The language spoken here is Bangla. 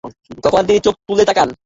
তখন তিনি চোখ তুলে তাকান।